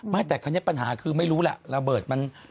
มันแต่ปัญหาไม่รู้ัะ